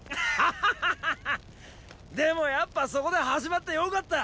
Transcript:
カカカッでもやっぱそこで始まってよかった。